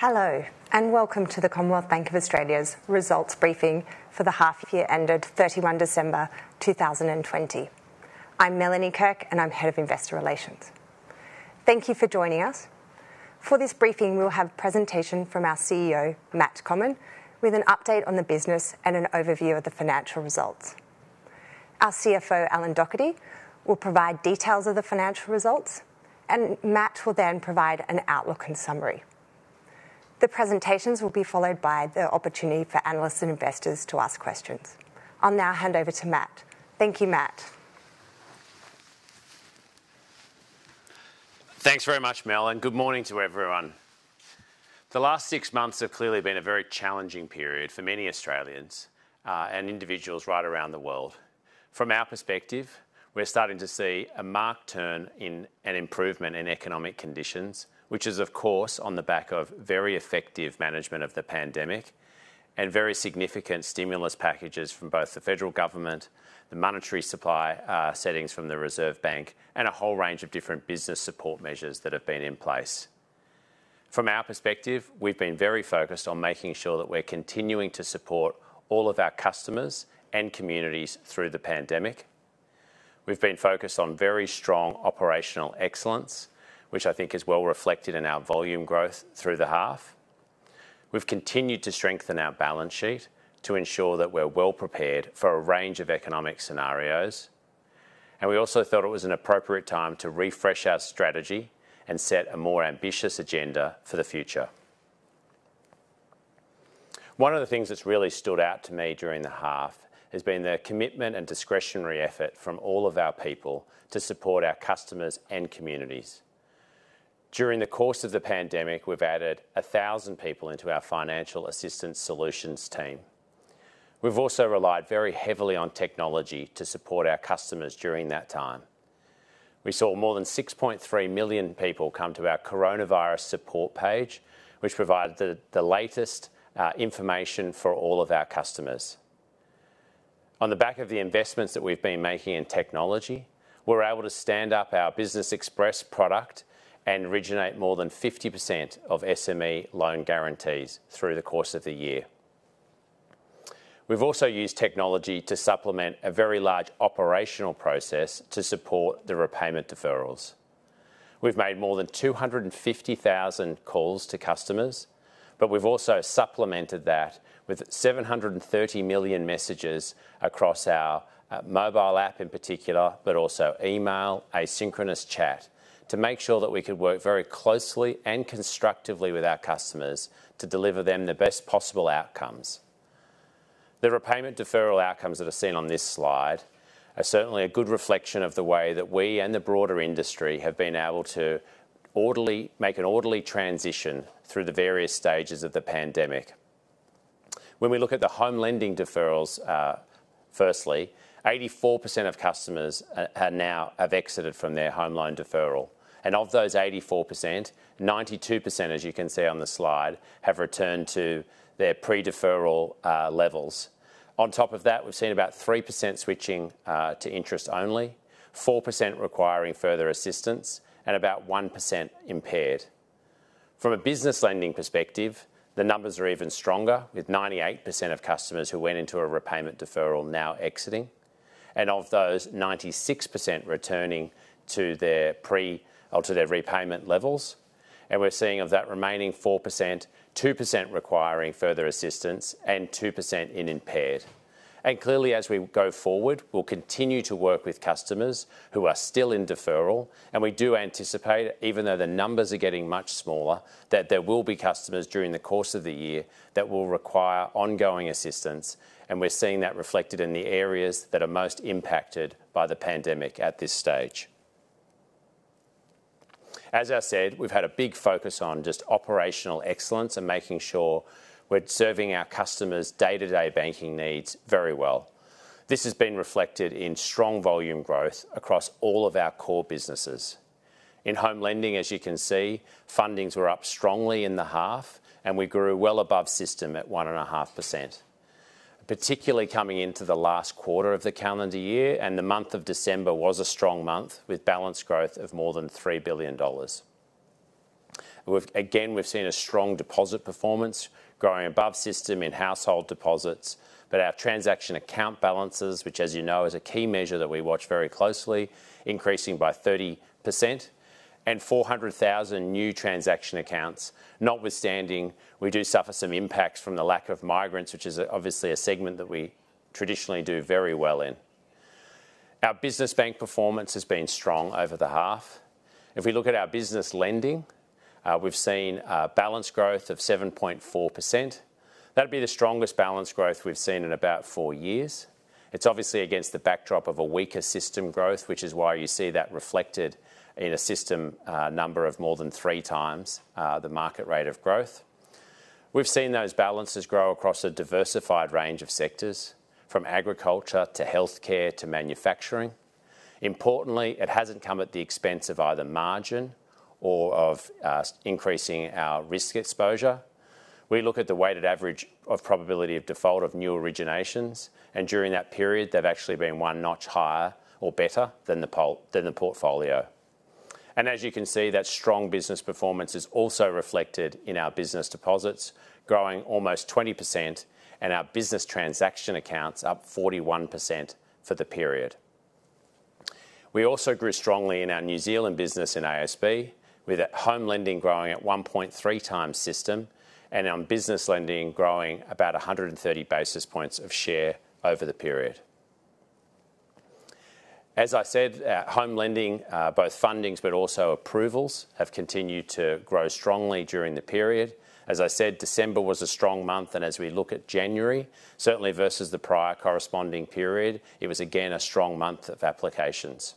Hello, welcome to the Commonwealth Bank of Australia's results briefing for the half year ended 31st December 2020. I'm Melanie Kirk, and I'm Head of Investor Relations. Thank you for joining us. For this briefing, we'll have presentation from our CEO, Matt Comyn, with an update on the business and an overview of the financial results. Our CFO, Alan Docherty, will provide details of the financial results, and Matt will then provide an outlook and summary. The presentations will be followed by the opportunity for analysts and investors to ask questions. I'll now hand over to Matt. Thank you, Matt. Thanks very much, Mel, and good morning to everyone. The last six months have clearly been a very challenging period for many Australians, and individuals right around the world. From our perspective, we're starting to see a marked turn in an improvement in economic conditions, which is, of course, on the back of very effective management of the pandemic, and very significant stimulus packages from both the federal government, the monetary supply settings from the Reserve Bank, and a whole range of different business support measures that have been in place. From our perspective, we've been very focused on making sure that we're continuing to support all of our customers and communities through the pandemic. We've been focused on very strong operational excellence, which I think is well reflected in our volume growth through the half. We've continued to strengthen our balance sheet to ensure that we're well-prepared for a range of economic scenarios. We also thought it was an appropriate time to refresh our strategy and set a more ambitious agenda for the future. One of the things that's really stood out to me during the half has been the commitment and discretionary effort from all of our people to support our customers and communities. During the course of the pandemic, we've added 1,000 people into our financial assistance solutions team. We've also relied very heavily on technology to support our customers during that time. We saw more than 6.3 million people come to our Coronavirus support page, which provided the latest information for all of our customers. On the back of the investments that we've been making in technology, we were able to stand up our BizExpress product and originate more than 50% of SME loan guarantees through the course of the year. We've also used technology to supplement a very large operational process to support the repayment deferrals. We've made more than 250,000 calls to customers, but we've also supplemented that with 730 million messages across our CommBank app in particular, but also email, asynchronous chat, to make sure that we could work very closely and constructively with our customers to deliver them the best possible outcomes. The repayment deferral outcomes that are seen on this slide are certainly a good reflection of the way that we and the broader industry have been able to make an orderly transition through the various stages of the pandemic. When we look at the home lending deferrals, firstly, 84% of customers now have exited from their home loan deferral. Of those 84%, 92%, as you can see on the slide, have returned to their pre-deferral levels. On top of that, we've seen about 3% switching to interest only, 4% requiring further assistance, and about 1% impaired. From a business lending perspective, the numbers are even stronger with 98% of customers who went into a repayment deferral now exiting, and of those, 96% returning to their pre or to their repayment levels. We're seeing of that remaining 4%, 2% requiring further assistance and 2% in impaired. Clearly as we go forward, we'll continue to work with customers who are still in deferral, and we do anticipate, even though the numbers are getting much smaller, that there will be customers during the course of the year that will require ongoing assistance, and we're seeing that reflected in the areas that are most impacted by the pandemic at this stage. As I said, we've had a big focus on just operational excellence and making sure we're serving our customers' day-to-day banking needs very well. This has been reflected in strong volume growth across all of our core businesses. In home lending, as you can see, fundings were up strongly in the half, and we grew well above system at 1.5%. Particularly coming into the last quarter of the calendar year, the month of December was a strong month with balance growth of more than 3 billion dollars. Again, we've seen a strong deposit performance growing above system in household deposits, but our transaction account balances, which as you know is a key measure that we watch very closely, increasing by 30%, and 400,000 new transaction accounts, notwithstanding, we do suffer some impacts from the lack of migrants, which is obviously a segment that we traditionally do very well in. Our business bank performance has been strong over the half. If we look at our business lending, we've seen balance growth of 7.4%. That'd be the strongest balance growth we've seen in about four years. It's obviously against the backdrop of a weaker system growth, which is why you see that reflected in a system number of more than three times the market rate of growth. We've seen those balances grow across a diversified range of sectors, from agriculture to healthcare to manufacturing. Importantly, it hasn't come at the expense of either margin or of increasing our risk exposure. We look at the weighted average of probability of default of new originations. During that period, they've actually been one notch higher or better than the portfolio. As you can see, that strong business performance is also reflected in our business deposits, growing almost 20%, and our business transaction accounts up 41% for the period. We also grew strongly in our New Zealand business in ASB, with home lending growing at 1.3x system. Our business lending growing about 130 basis points of share over the period. As I said, home lending, both fundings but also approvals, have continued to grow strongly during the period. As I said, December was a strong month, and as we look at January, certainly versus the prior corresponding period, it was again a strong month of applications.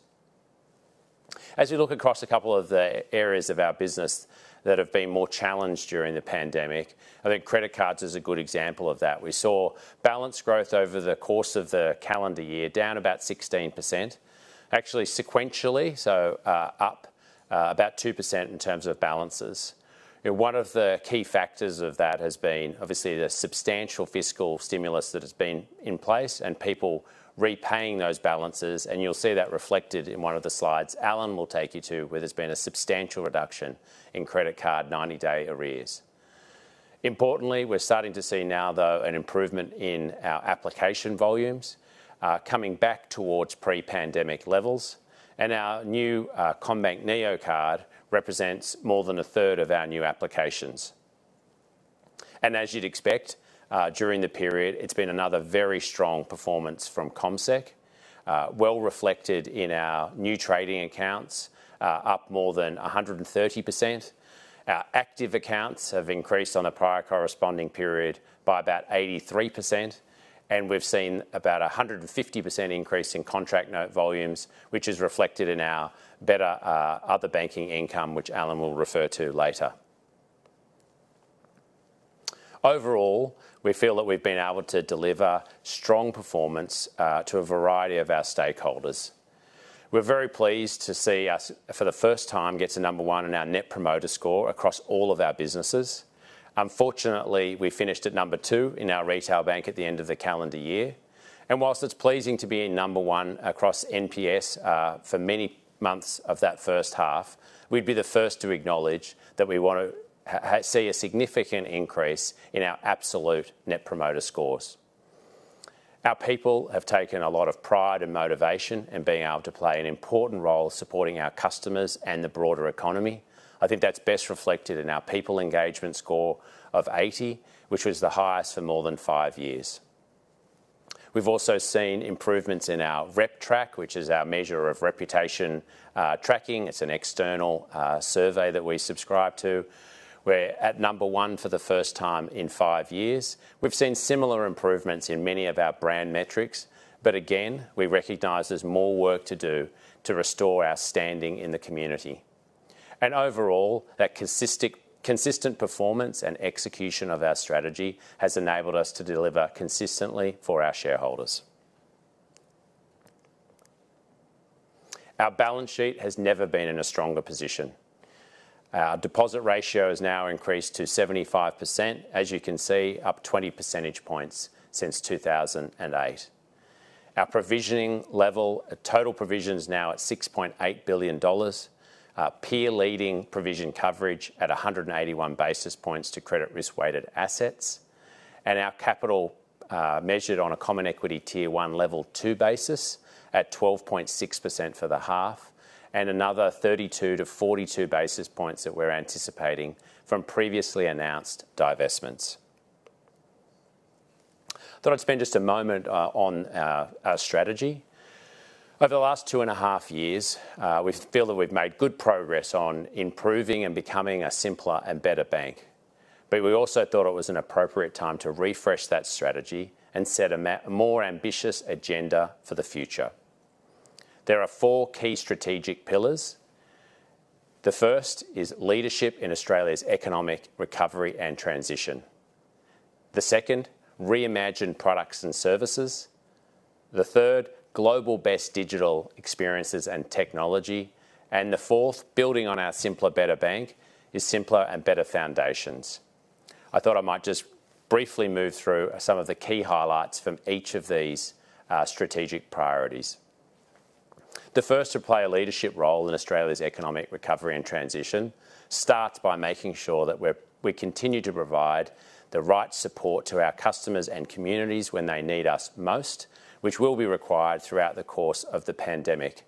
As we look across a couple of the areas of our business that have been more challenged during the pandemic, I think credit cards is a good example of that. We saw balance growth over the course of the calendar year down about 16%, actually sequentially, so up about 2% in terms of balances. One of the key factors of that has been obviously the substantial fiscal stimulus that has been in place and people repaying those balances, and you'll see that reflected in one of the slides Alan will take you to, where there's been a substantial reduction in credit card 90-day arrears. Importantly, we're starting to see now, though, an improvement in our application volumes, coming back towards pre-pandemic levels. Our new CommBank Neo card represents more than a third of our new applications. As you'd expect, during the period, it's been another very strong performance from CommSec, well reflected in our new trading accounts, up more than 130%. Our active accounts have increased on a prior corresponding period by about 83%, and we've seen about 150% increase in contract note volumes, which is reflected in our better other banking income, which Alan will refer to later. Overall, we feel that we've been able to deliver strong performance to a variety of our stakeholders. We're very pleased to see us, for the first time, get to number 1 in our Net Promoter Score across all of our businesses. Unfortunately, we finished at number two in our retail bank at the end of the calendar year. Whilst it's pleasing to be number one across NPS for many months of that first half, we'd be the first to acknowledge that we want to see a significant increase in our absolute Net Promoter Scores. Our people have taken a lot of pride and motivation in being able to play an important role supporting our customers and the broader economy. I think that's best reflected in our people engagement score of 80, which was the highest for more than five years. We've also seen improvements in our RepTrak, which is our measure of reputation tracking. It's an external survey that we subscribe to. We're at number one for the first time in five years. We've seen similar improvements in many of our brand metrics, but again, we recognize there's more work to do to restore our standing in the community. Overall, that consistent performance and execution of our strategy has enabled us to deliver consistently for our shareholders. Our balance sheet has never been in a stronger position. Our deposit ratio has now increased to 75%, as you can see, up 20 percentage points since 2008. Our provisioning level, total provision's now at 6.8 billion dollars. Peer leading provision coverage at 181 basis points to credit risk-weighted assets. Our capital, measured on a Common Equity Tier 1 Level 2 basis, at 12.6% for the half, and another 32-42 basis points that we're anticipating from previously announced divestments. I thought I'd spend just a moment on our strategy. Over the last two and a half years, we feel that we've made good progress on improving and becoming a simpler and better bank. We also thought it was an appropriate time to refresh that strategy and set a more ambitious agenda for the future. There are four key strategic pillars. The first is leadership in Australia's economic recovery and transition. The second, reimagined products and services. The third, global best digital experiences and technology. The fourth, building on our simpler, better bank, is simpler and better foundations. I thought I might just briefly move through some of the key highlights from each of these strategic priorities. The first to play a leadership role in Australia's economic recovery and transition starts by making sure that we continue to provide the right support to our customers and communities when they need us most, which will be required throughout the course of the pandemic.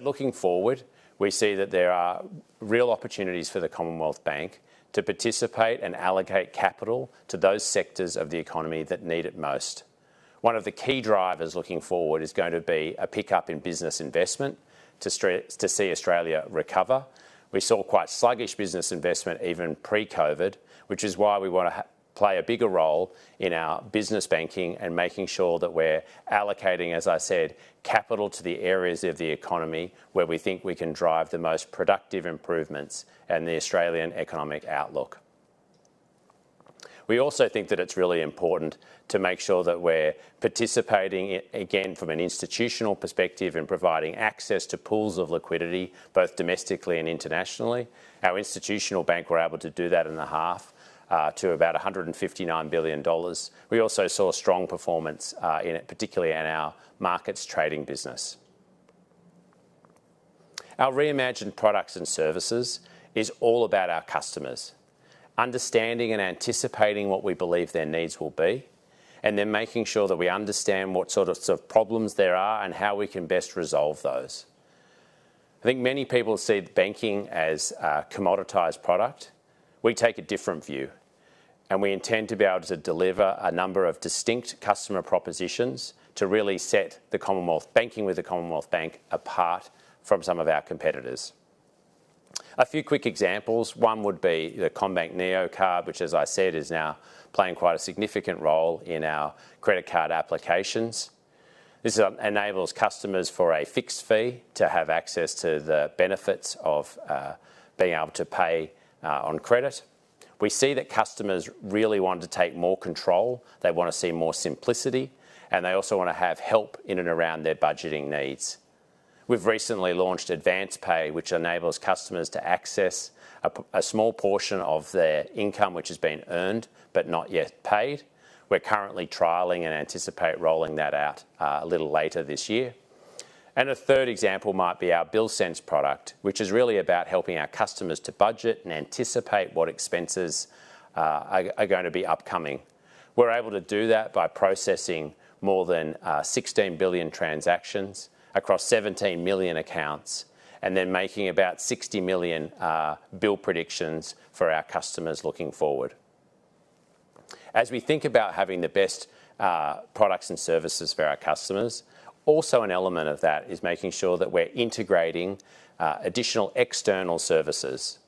Looking forward, we see that there are real opportunities for the Commonwealth Bank to participate and allocate capital to those sectors of the economy that need it most. One of the key drivers looking forward is going to be a pickup in business investment to see Australia recover. We saw quite sluggish business investment even pre-COVID, which is why we want to play a bigger role in our business banking and making sure that we're allocating, as I said, capital to the areas of the economy where we think we can drive the most productive improvements and the Australian economic outlook. We also think that it's really important to make sure that we're participating, again, from an institutional perspective, in providing access to pools of liquidity, both domestically and internationally. Our institutional bank were able to do that in the half to about 159 billion dollars. We also saw strong performance in it, particularly in our markets trading business. Our reimagined products and services is all about our customers, understanding and anticipating what we believe their needs will be, and then making sure that we understand what sort of problems there are and how we can best resolve those. I think many people see banking as a commoditized product. We intend to be able to deliver a number of distinct customer propositions to really set the Commonwealth Banking with the Commonwealth Bank apart from some of our competitors. A few quick examples. One would be the CommBank Neo card, which as I said, is now playing quite a significant role in our credit card applications. This enables customers for a fixed fee to have access to the benefits of being able to pay on credit. We see that customers really want to take more control, they want to see more simplicity, and they also want to have help in and around their budgeting needs. We've recently launched Advance Pay, which enables customers to access a small portion of their income, which has been earned but not yet paid. We're currently trialing and anticipate rolling that out a little later this year. A third example might be our Bill Sense product, which is really about helping our customers to budget and anticipate what expenses are going to be upcoming. We're able to do that by processing more than 16 billion transactions across 17 million accounts, and then making about 60 million bill predictions for our customers looking forward. As we think about having the best products and services for our customers, also an element of that is making sure that we're integrating additional external services.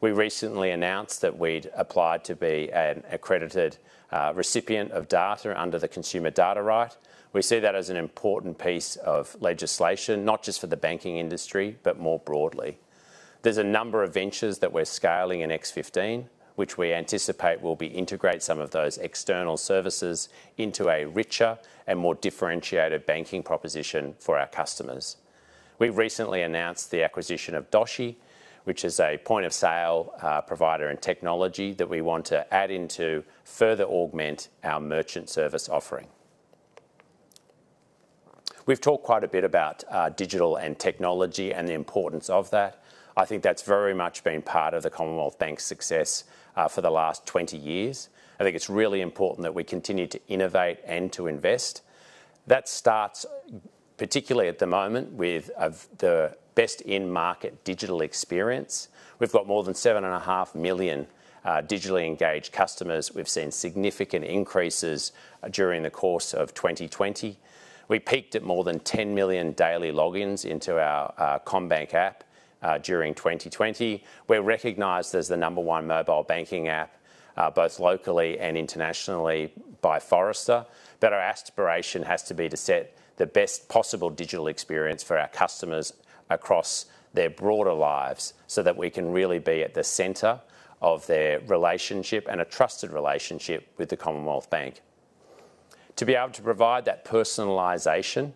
We recently announced that we'd applied to be an accredited recipient of data under the Consumer Data Right. We see that as an important piece of legislation, not just for the banking industry, but more broadly. There's a number of ventures that we're scaling in X15, which we anticipate will integrate some of those external services into a richer and more differentiated banking proposition for our customers. We've recently announced the acquisition of Doshii, which is a point-of-sale provider and technology that we want to add in to further augment our merchant service offering. We've talked quite a bit about digital and technology and the importance of that. I think that's very much been part of the Commonwealth Bank's success for the last 20 years. I think it's really important that we continue to innovate and to invest. That starts particularly at the moment with the best in-market digital experience. We've got more than 7.5 million digitally engaged customers. We've seen significant increases during the course of 2020. We peaked at more than 10 million daily logins into our CommBank app during 2020. We're recognized as the number one mobile banking app both locally and internationally by Forrester. Our aspiration has to be to set the best possible digital experience for our customers across their broader lives, so that we can really be at the center of their relationship, and a trusted relationship with the Commonwealth Bank. To be able to provide that personalization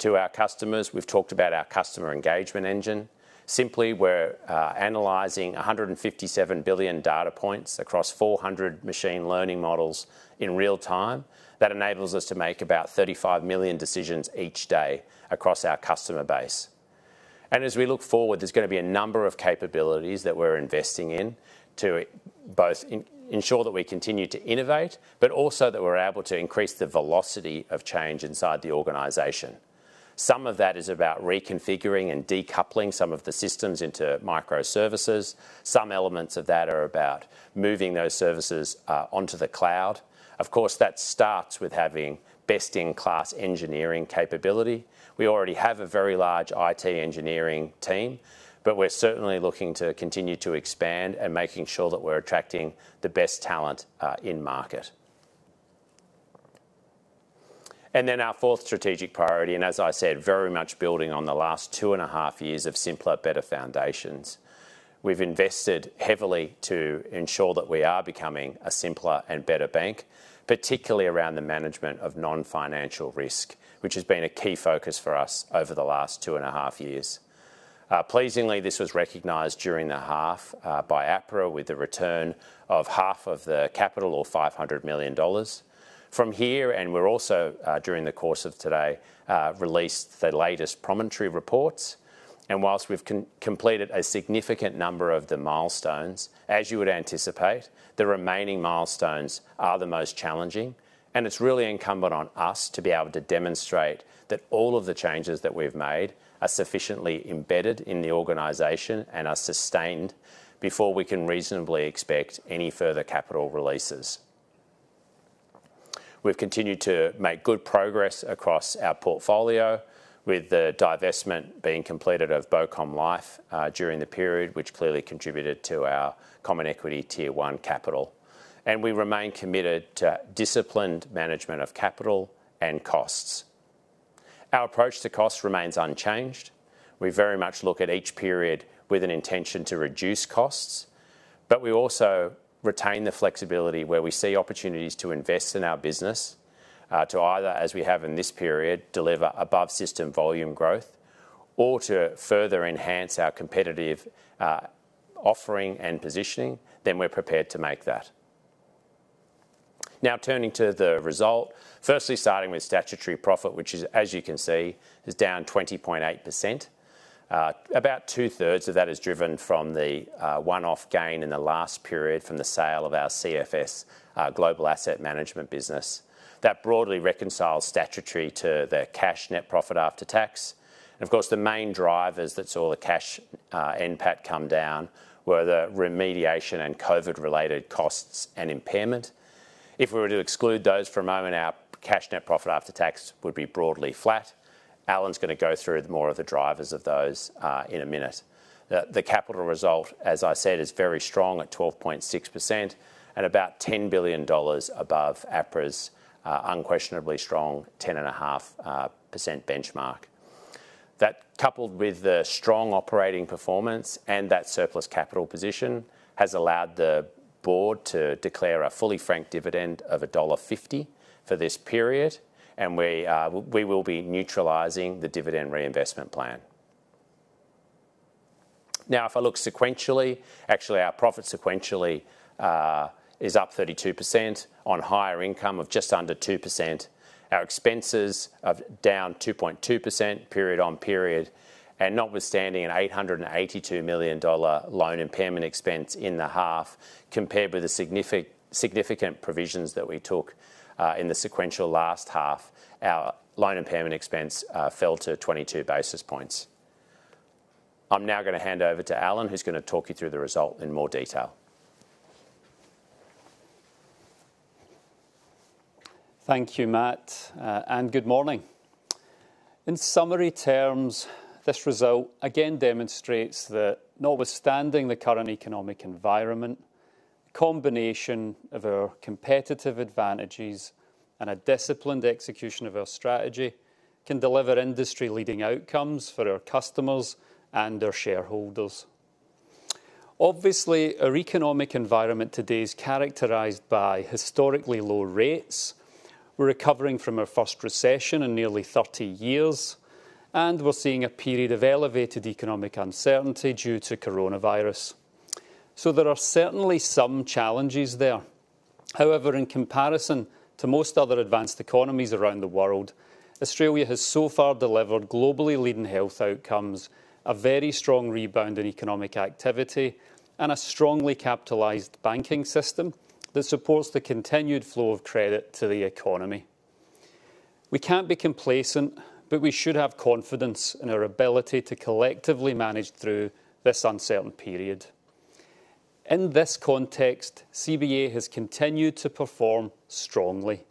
to our customers, we've talked about our Customer Engagement Engine. Simply, we're analyzing 157 billion data points across 400 machine learning models in real time. That enables us to make about 35 million decisions each day across our customer base. As we look forward, there's going to be a number of capabilities that we're investing in to both ensure that we continue to innovate, but also that we're able to increase the velocity of change inside the organization. Some of that is about reconfiguring and decoupling some of the systems into microservices. Some elements of that are about moving those services onto the cloud. Of course, that starts with having best-in-class engineering capability. We already have a very large IT engineering team, but we're certainly looking to continue to expand and making sure that we're attracting the best talent in market. Our fourth strategic priority, and as I said, very much building on the last two and a half years of simpler, better foundations. We've invested heavily to ensure that we are becoming a simpler and better bank, particularly around the management of non-financial risk, which has been a key focus for us over the last two and a half years. Pleasingly, this was recognized during the half by APRA with the return of half of the capital or 500 million dollars. From here, we're also, during the course of today, released the latest Promontory reports. Whilst we've completed a significant number of the milestones, as you would anticipate, the remaining milestones are the most challenging, it's really incumbent on us to be able to demonstrate that all of the changes that we've made are sufficiently embedded in the organization and are sustained before we can reasonably expect any further capital releases. We've continued to make good progress across our portfolio with the divestment being completed of BoCommLife during the period, which clearly contributed to our Common Equity Tier 1 capital. We remain committed to disciplined management of capital and costs. Our approach to cost remains unchanged. We very much look at each period with an intention to reduce costs, but we also retain the flexibility where we see opportunities to invest in our business, to either, as we have in this period, deliver above system volume growth or to further enhance our competitive offering and positioning, then we're prepared to make that. Turning to the result. Firstly, starting with statutory profit, which is, as you can see, is down 20.8%. About two-thirds of that is driven from the one-off gain in the last period from the sale of our CFS, Global Asset Management business. That broadly reconciles statutory to the cash net profit after tax. Of course, the main drivers that saw the cash, NPAT come down, were the remediation and COVID related costs and impairment. If we were to exclude those for a moment, our cash net profit after tax would be broadly flat. Alan's going to go through more of the drivers of those in a minute. The capital result, as I said, is very strong at 12.6% and about 10 billion dollars above APRA's unquestionably strong 10.5% benchmark. That, coupled with the strong operating performance and that surplus capital position, has allowed the board to declare a fully franked dividend of dollar 1.50 for this period, and we will be neutralizing the dividend reinvestment plan. If I look sequentially, actually our profit sequentially is up 32% on higher income of just under 2%. Our expenses are down 2.2% period on period. Notwithstanding an 882 million dollar loan impairment expense in the half, compared with the significant provisions that we took in the sequential last half, our loan impairment expense fell to 22 basis points. I'm now going to hand over to Alan, who's going to talk you through the result in more detail. Thank you, Matt, and good morning. In summary terms, this result again demonstrates that notwithstanding the current economic environment, combination of our competitive advantages and a disciplined execution of our strategy can deliver industry leading outcomes for our customers and our shareholders. Obviously, our economic environment today is characterized by historically low rates. We're recovering from our first recession in nearly 30 years, and we're seeing a period of elevated economic uncertainty due to coronavirus. There are certainly some challenges there. In comparison to most other advanced economies around the world, Australia has so far delivered globally leading health outcomes, a very strong rebound in economic activity, and a strongly capitalized banking system that supports the continued flow of credit to the economy. We can't be complacent, but we should have confidence in our ability to collectively manage through this uncertain period. In this context, CBA has continued to perform strongly.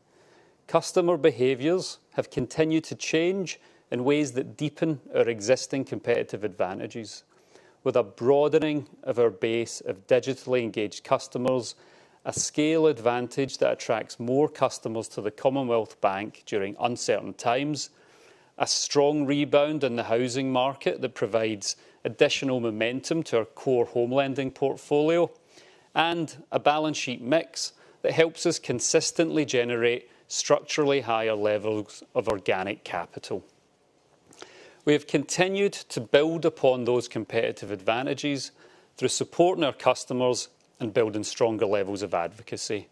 Customer behaviors have continued to change in ways that deepen our existing competitive advantages, with a broadening of our base of digitally engaged customers, a scale advantage that attracts more customers to the Commonwealth Bank during uncertain times, a strong rebound in the housing market that provides additional momentum to our core home lending portfolio, and a balance sheet mix that helps us consistently generate structurally higher levels of organic capital. We have continued to build upon those competitive advantages through supporting our customers and building stronger levels of advocacy.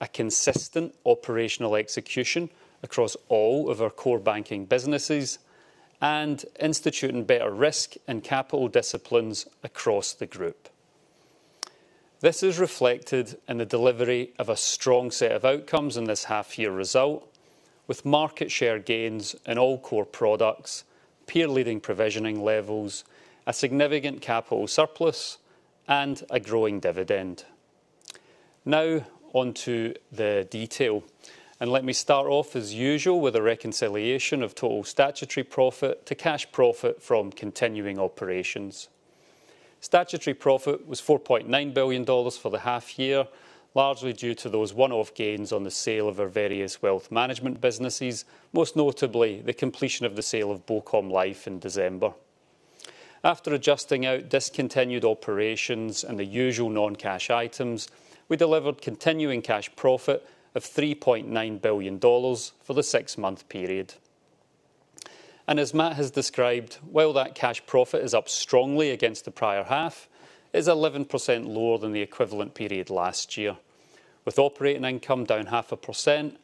A consistent operational execution across all of our core banking businesses and instituting better risk and capital disciplines across the group. This is reflected in the delivery of a strong set of outcomes in this half year result, with market share gains in all core products, peer leading provisioning levels, a significant capital surplus, and a growing dividend. On to the detail, let me start off as usual with a reconciliation of total statutory profit to cash profit from continuing operations. Statutory profit was 4.9 billion dollars for the half year, largely due to those one-off gains on the sale of our various wealth management businesses, most notably the completion of the sale of BoCommLife in December. After adjusting out discontinued operations and the usual non-cash items, we delivered continuing cash profit of 3.9 billion dollars for the six-month period. As Matt has described, while that cash profit is up strongly against the prior half, it's 11% lower than the equivalent period last year. With operating income down 0.5%,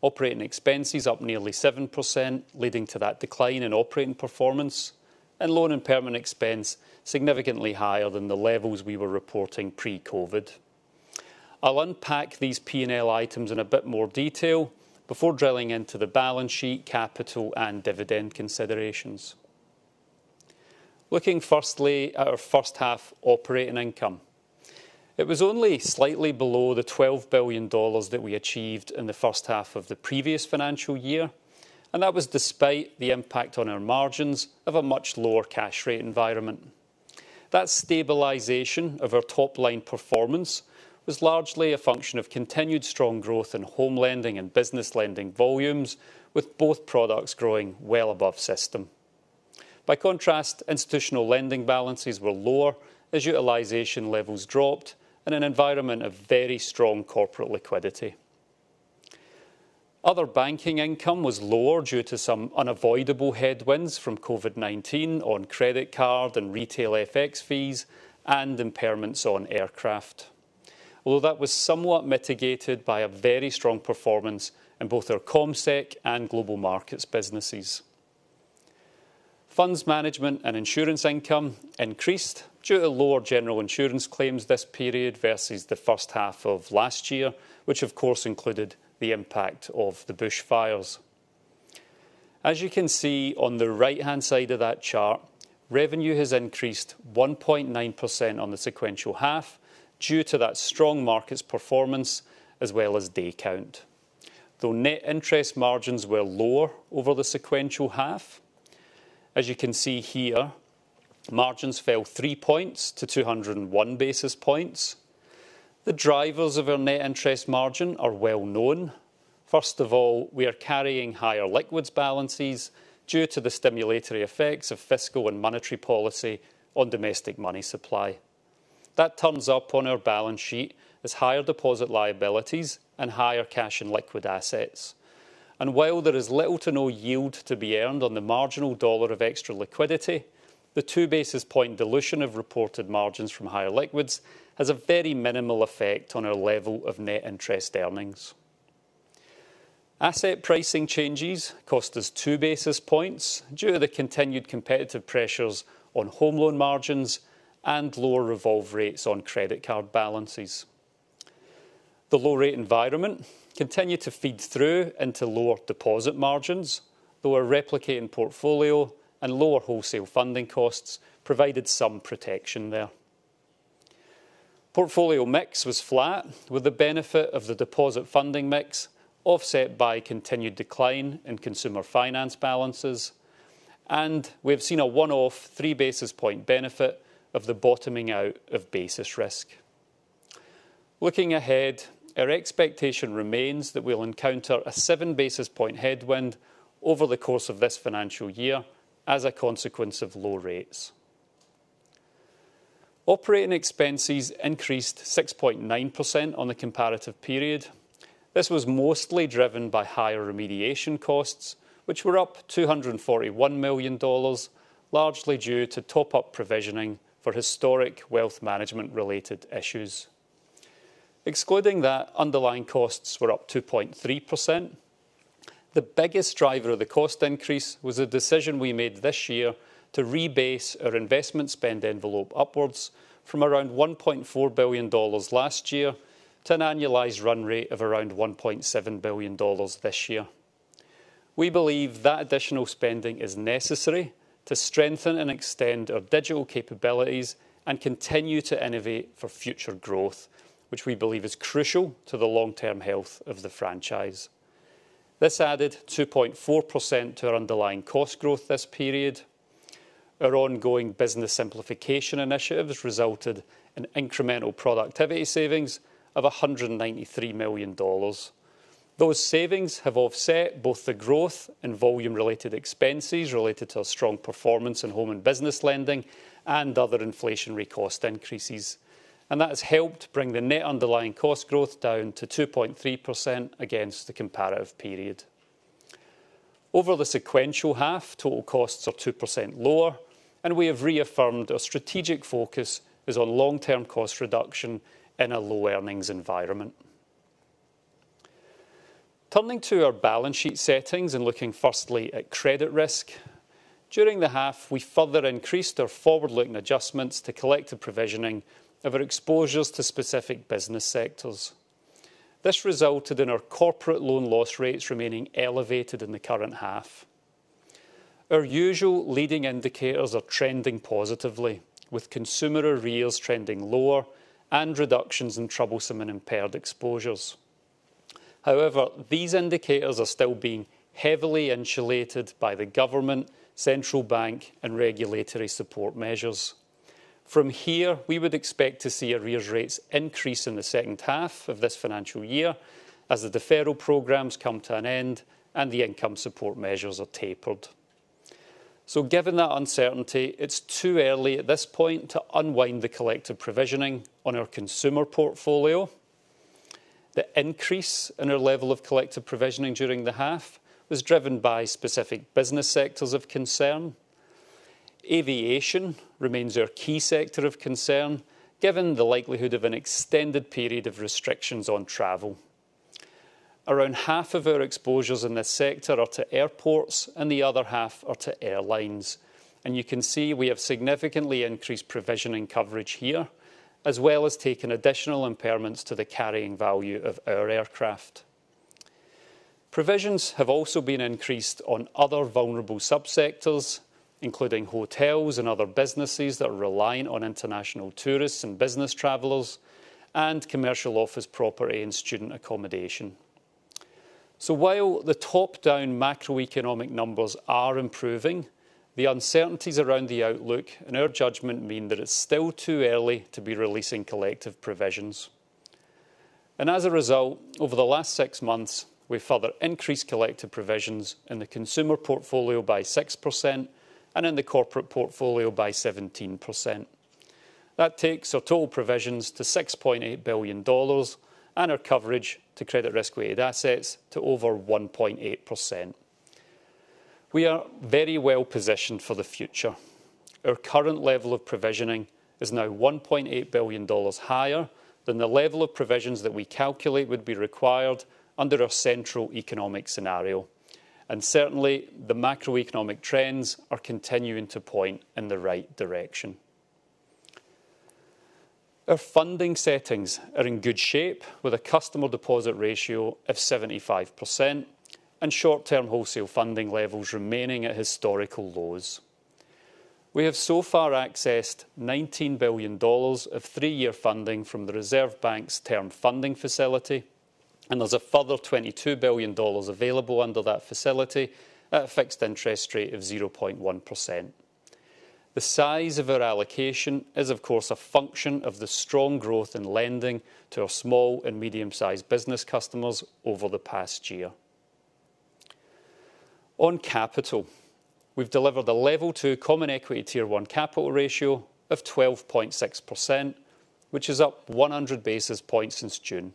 operating expenses up nearly 7%, leading to that decline in operating performance, and loan impairment expense significantly higher than the levels we were reporting pre-COVID. I'll unpack these P&L items in a bit more detail before drilling into the balance sheet, capital, and dividend considerations. Looking firstly at our first half operating income. It was only slightly below the 12 billion dollars that we achieved in the first half of the previous financial year, and that was despite the impact on our margins of a much lower cash rate environment. That stabilization of our top-line performance was largely a function of continued strong growth in home lending and business lending volumes, with both products growing well above system. By contrast, institutional lending balances were lower as utilization levels dropped in an environment of very strong corporate liquidity. Other banking income was lower due to some unavoidable headwinds from COVID-19 on credit card and retail FX fees and impairments on aircraft. That was somewhat mitigated by a very strong performance in both our CommSec and global markets businesses. Funds management and insurance income increased due to lower general insurance claims this period versus the first half of last year, which of course, included the impact of the bushfires. As you can see on the right-hand side of that chart, revenue has increased 1.9% on the sequential half due to that strong markets performance as well as day count, though net interest margins were lower over the sequential half. As you can see here, margins fell three points to 201 basis points. The drivers of our net interest margin are well-known. First of all, we are carrying higher liquids balances due to the stimulatory effects of fiscal and monetary policy on domestic money supply. That turns up on our balance sheet as higher deposit liabilities and higher cash and liquid assets. While there is little to no yield to be earned on the marginal dollar of extra liquidity, the two basis point dilution of reported margins from higher liquids has a very minimal effect on our level of net interest earnings. Asset pricing changes cost us two basis points due to the continued competitive pressures on home loan margins and lower revolve rates on credit card balances. The low rate environment continued to feed through into lower deposit margins, though our replicating portfolio and lower wholesale funding costs provided some protection there. Portfolio mix was flat with the benefit of the deposit funding mix, offset by continued decline in consumer finance balances, and we've seen a one-off three basis point benefit of the bottoming out of basis risk. Looking ahead, our expectation remains that we'll encounter a seven basis point headwind over the course of this financial year as a consequence of low rates. Operating expenses increased 6.9% on the comparative period. This was mostly driven by higher remediation costs, which were up 241 million dollars, largely due to top-up provisioning for historic wealth management related issues. Excluding that, underlying costs were up 2.3%. The biggest driver of the cost increase was a decision we made this year to rebase our investment spend envelope upwards from around 1.4 billion dollars last year to an annualized run rate of around 1.7 billion dollars this year. We believe that additional spending is necessary to strengthen and extend our digital capabilities and continue to innovate for future growth, which we believe is crucial to the long-term health of the franchise. This added 2.4% to our underlying cost growth this period. Our ongoing business simplification initiatives resulted in incremental productivity savings of 193 million dollars. Those savings have offset both the growth in volume related expenses related to our strong performance in home and business lending and other inflationary cost increases. That has helped bring the net underlying cost growth down to 2.3% against the comparative period. Over the sequential half, total costs are 2% lower, and we have reaffirmed our strategic focus is on long-term cost reduction in a low earnings environment. Turning to our balance sheet settings and looking firstly at credit risk. During the half, we further increased our forward-looking adjustments to collective provisioning of our exposures to specific business sectors. This resulted in our corporate loan loss rates remaining elevated in the current half. Our usual leading indicators are trending positively, with consumer arrears trending lower and reductions in troublesome and impaired exposures. However, these indicators are still being heavily insulated by the government, central bank, and regulatory support measures. We would expect to see arrears rates increase in the second half of this financial year as the deferral programs come to an end and the income support measures are tapered. Given that uncertainty, it is too early at this point to unwind the collective provisioning on our consumer portfolio. The increase in our level of collective provisioning during the half was driven by specific business sectors of concern. Aviation remains our key sector of concern, given the likelihood of an extended period of restrictions on travel. Around half of our exposures in this sector are to airports and the other half are to airlines. You can see we have significantly increased provisioning coverage here, as well as taken additional impairments to the carrying value of our aircraft. Provisions have also been increased on other vulnerable sub-sectors, including hotels and other businesses that are reliant on international tourists and business travelers, and commercial office property and student accommodation. While the top-down macroeconomic numbers are improving, the uncertainties around the outlook, in our judgment, mean that it's still too early to be releasing collective provisions. As a result, over the last six months, we've further increased collective provisions in the consumer portfolio by 6% and in the corporate portfolio by 17%. That takes our total provisions to 6.8 billion dollars and our coverage to credit risk-weighted assets to over 1.8%. We are very well-positioned for the future. Our current level of provisioning is now 1.8 billion dollars higher than the level of provisions that we calculate would be required under our central economic scenario. Certainly, the macroeconomic trends are continuing to point in the right direction. Our funding settings are in good shape, with a customer deposit ratio of 75% and short-term wholesale funding levels remaining at historical lows. We have so far accessed 19 billion dollars of three year funding from the Reserve Bank's Term Funding Facility, there's a further 22 billion dollars available under that facility at a fixed interest rate of 0.1%. The size of our allocation is, of course, a function of the strong growth in lending to our small and medium-sized business customers over the past year. On capital, we've delivered a Level 2 Common Equity Tier 1 capital ratio of 12.6%, which is up 100 basis points since June.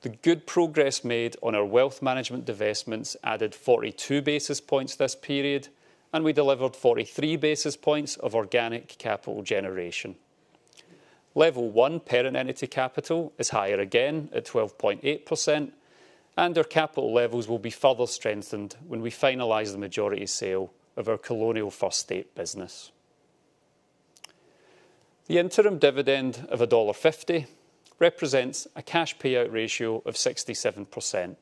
The good progress made on our wealth management divestments added 42 basis points this period, and we delivered 43 basis points of organic capital generation. Level 1 parent entity capital is higher again at 12.8%, and our capital levels will be further strengthened when we finalize the majority sale of our Colonial First State business. The interim dividend of dollar 1.50 represents a cash payout ratio of 67%.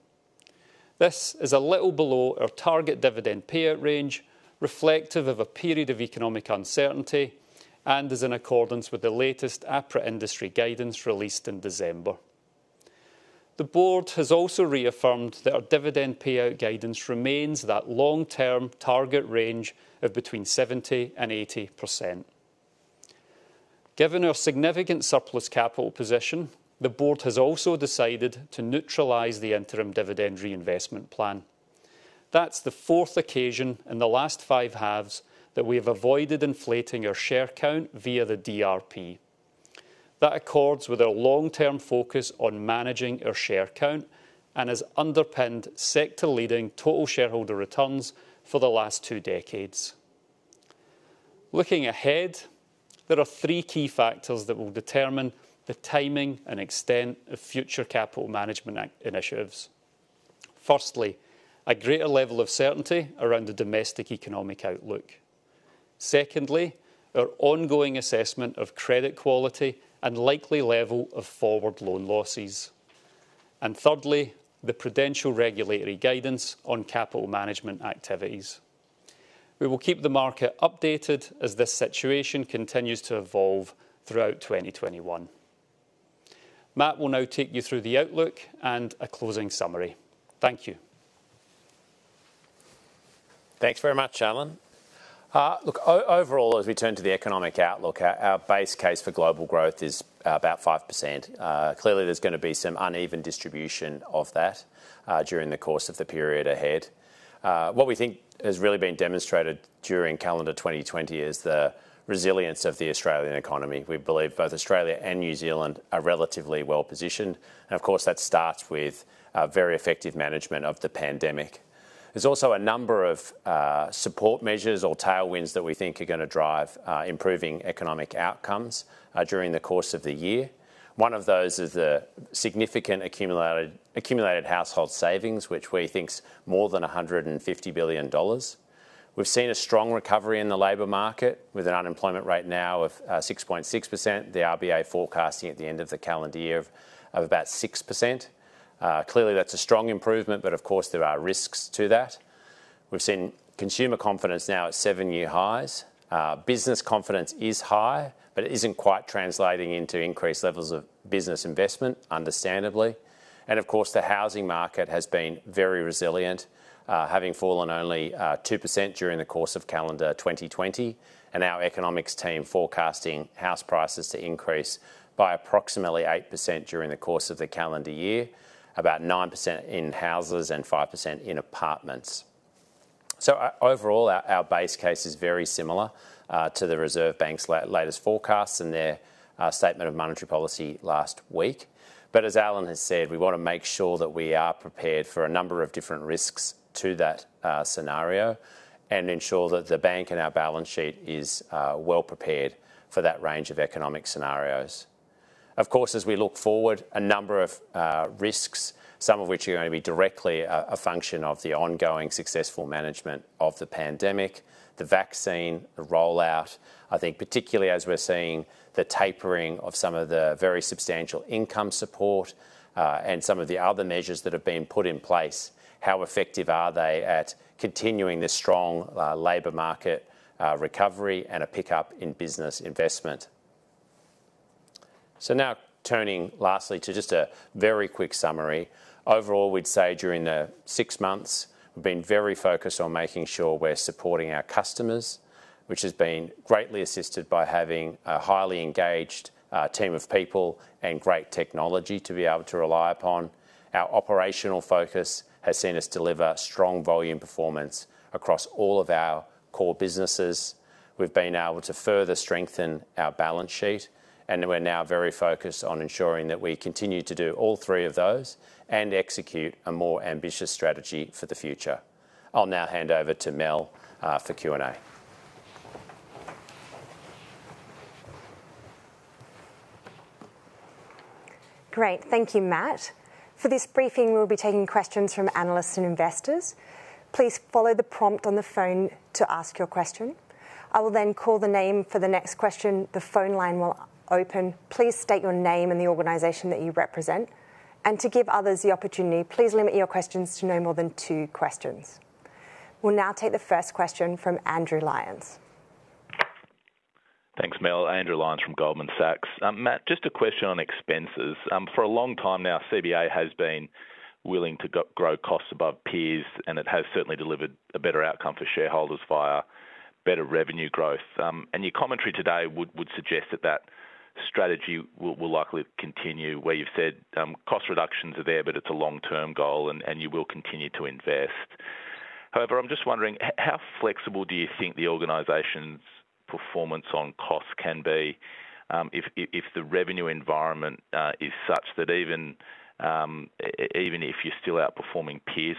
This is a little below our target dividend payout range, reflective of a period of economic uncertainty, and is in accordance with the latest APRA industry guidance released in December. The board has also reaffirmed that our dividend payout guidance remains that long-term target range of between 70% and 80%. Given our significant surplus capital position, the board has also decided to neutralize the interim dividend reinvestment plan. That's the fourth occasion in the last five halves that we have avoided inflating our share count via the DRP. That accords with our long-term focus on managing our share count and has underpinned sector-leading total shareholder returns for the last two decades. Looking ahead, there are three key factors that will determine the timing and extent of future capital management initiatives. Firstly, a greater level of certainty around the domestic economic outlook. Secondly, our ongoing assessment of credit quality and likely level of forward loan losses. Thirdly, the Prudential regulatory guidance on capital management activities. We will keep the market updated as this situation continues to evolve throughout 2021. Matt will now take you through the outlook and a closing summary. Thank you. Thanks very much, Alan. Look, overall, as we turn to the economic outlook, our base case for global growth is about 5%. Clearly, there's going to be some uneven distribution of that during the course of the period ahead. What we think has really been demonstrated during calendar 2020 is the resilience of the Australian economy. We believe both Australia and New Zealand are relatively well-positioned, and of course, that starts with very effective management of the pandemic. There's also a number of support measures or tailwinds that we think are going to drive improving economic outcomes during the course of the year. One of those is the significant accumulated household savings, which we think is more than 150 billion dollars. We've seen a strong recovery in the labor market with an unemployment rate now of 6.6%, the RBA forecasting at the end of the calendar year of about 6%. Clearly, that's a strong improvement, but of course, there are risks to that. We've seen consumer confidence now at seven-year highs. Business confidence is high, but it isn't quite translating into increased levels of business investment, understandably. Of course, the housing market has been very resilient, having fallen only 2% during the course of calendar 2020, and our economics team forecasting house prices to increase by approximately 8% during the course of the calendar year, about 9% in houses and 5% in apartments. Overall, our base case is very similar to the Reserve Bank's latest forecast in their statement of monetary policy last week. As Alan has said, we want to make sure that we are prepared for a number of different risks to that scenario and ensure that the bank and our balance sheet is well prepared for that range of economic scenarios. As we look forward, a number of risks, some of which are going to be directly a function of the ongoing successful management of the pandemic, the vaccine rollout, I think particularly as we're seeing the tapering of some of the very substantial income support, and some of the other measures that have been put in place, how effective are they at continuing this strong labor market recovery and a pickup in business investment? Turning lastly to just a very quick summary. Overall, we'd say during the six months, we've been very focused on making sure we're supporting our customers, which has been greatly assisted by having a highly engaged team of people and great technology to be able to rely upon. Our operational focus has seen us deliver strong volume performance across all of our core businesses. We've been able to further strengthen our balance sheet, and we're now very focused on ensuring that we continue to do all three of those and execute a more ambitious strategy for the future. I'll now hand over to Mel for Q&A. Great. Thank you, Matt. For this briefing, we'll be taking questions from analysts and investors. Please follow the prompt on the phone to ask your question. I will call the name for the next question. The phone line will open. Please state your name and the organization that you represent. To give others the opportunity, please limit your questions to no more than two questions. We'll now take the first question from Andrew Lyons. Thanks, Mel. Andrew Lyons from Goldman Sachs. Matt, just a question on expenses. For a long time now, CBA has been willing to grow costs above peers, and it has certainly delivered a better outcome for shareholders via better revenue growth. Your commentary today would suggest that that strategy will likely continue, where you've said cost reductions are there, but it's a long-term goal, and you will continue to invest. I'm just wondering, how flexible do you think the organization's performance on cost can be if the revenue environment is such that even if you're still outperforming peers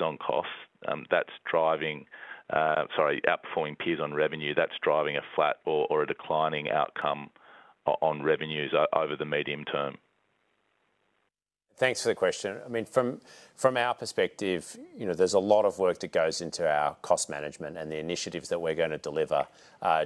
on revenue, that's driving a flat or a declining outcome on revenues over the medium term? Thanks for the question. From our perspective, there's a lot of work that goes into our cost management and the initiatives that we're going to deliver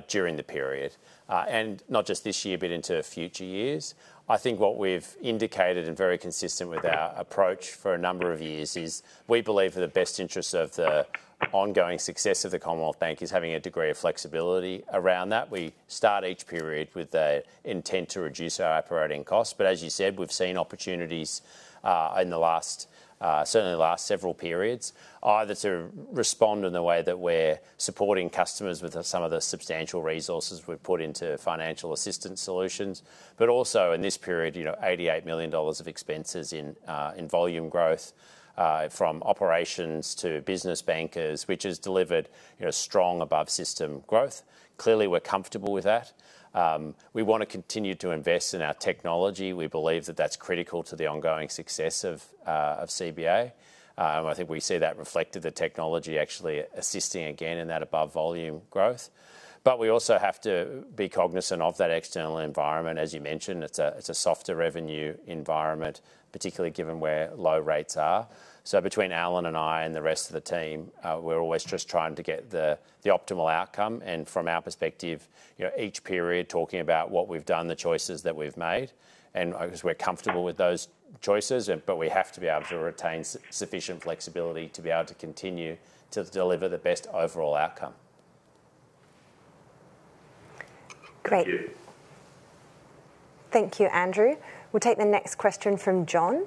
during the period. Not just this year, but into future years. I think what we've indicated, and very consistent with our approach for a number of years, is we believe that the best interest of the ongoing success of the Commonwealth Bank is having a degree of flexibility around that. We start each period with the intent to reduce our operating costs. As you said, we've seen opportunities certainly in the last several periods, either to respond in the way that we're supporting customers with some of the substantial resources we've put into financial assistance solutions. Also in this period, 88 million dollars of expenses in volume growth from operations to business bankers, which has delivered strong above system growth. Clearly, we're comfortable with that. We want to continue to invest in our technology. We believe that that's critical to the ongoing success of CBA. I think we see that reflected, the technology actually assisting again in that above volume growth. We also have to be cognizant of that external environment. As you mentioned, it's a softer revenue environment, particularly given where low rates are. Between Alan and I and the rest of the team, we're always just trying to get the optimal outcome. From our perspective, each period, talking about what we've done, the choices that we've made. Obviously, we're comfortable with those choices, but we have to be able to retain sufficient flexibility to be able to continue to deliver the best overall outcome. Thank you. Great. Thank you, Andrew. We'll take the next question from Jon.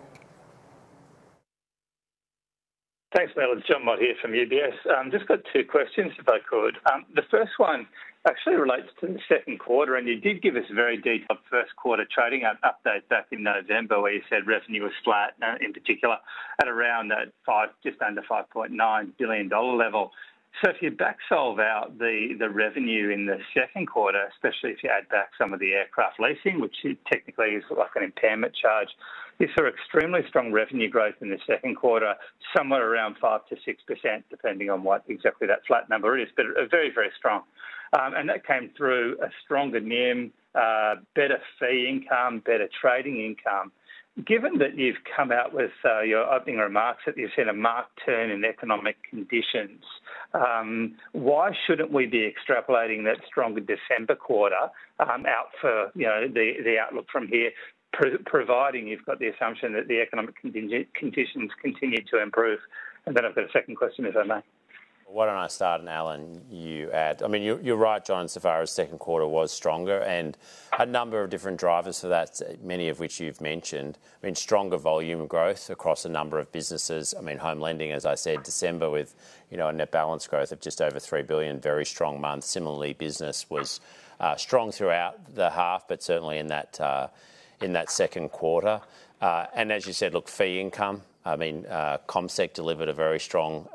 Thanks, Mel. It's Jon Mott here from UBS. Just got two questions, if I could. The first one actually relates to the second quarter, and you did give us a very detailed first quarter trading update back in November, where you said revenue was flat, in particular at around just under 5.9 billion dollar level. If you back solve out the revenue in the second quarter, especially if you add back some of the aircraft leasing, which technically is like an impairment charge, you saw extremely strong revenue growth in the second quarter, somewhere around 5%-6%, depending on what exactly that flat number is. Very, very strong. That came through a stronger NIM, better fee income, better trading income. Given that you've come out with your opening remarks that you've seen a marked turn in economic conditions, why shouldn't we be extrapolating that strong December quarter out for the outlook from here, providing you've got the assumption that the economic conditions continue to improve? Then I've got a second question, if I may. Why don't I start and, Alan, you add. You're right, Jon, far our second quarter was stronger. A number of different drivers for that, many of which you've mentioned. Stronger volume growth across a number of businesses. Home lending, as I said, December with a net balance growth of just over 3 billion, very strong month. Similarly, business was strong throughout the half, but certainly in that second quarter. As you said, look, fee income. CommSec delivered a very strong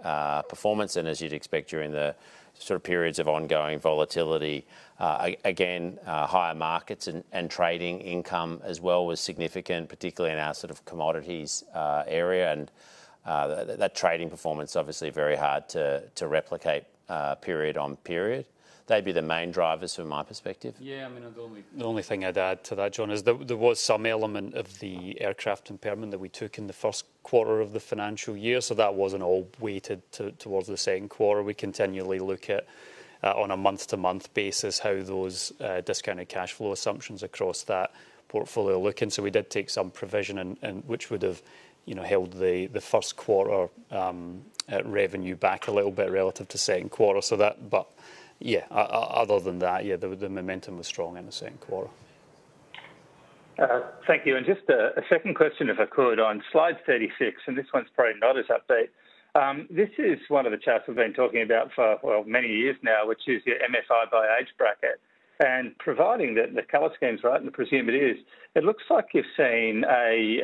performance as you'd expect during the periods of ongoing volatility. Again, higher markets and trading income as well was significant, particularly in our commodities area. That trading performance, obviously very hard to replicate period on period. They'd be the main drivers from my perspective. The only thing I'd add to that, John, is there was some element of the aircraft impairment that we took in the first quarter of the financial year, so that wasn't all weighted towards the second quarter. We continually look at, on a month-to-month basis, how those discounted cash flow assumptions across that portfolio are looking. We did take some provision, and which would have held the first quarter revenue back a little bit relative to second quarter. Other than that, the momentum was strong in the second quarter. Thank you. Just a second question, if I could, on slide 36. This one's probably not as update. This is one of the charts we've been talking about for many years now, which is your MFI by age bracket. Providing that the color scheme's right, and I presume it is, it looks like you're seeing a